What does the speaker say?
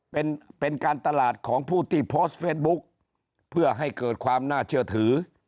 เป็นเป็นการตลาดของผู้ที่โพสต์เฟสบุ๊กเพื่อให้เกิดความน่าเชื่อถือ